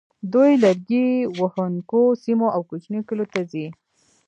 دوی لرګي وهونکو سیمو او کوچنیو کلیو ته ځي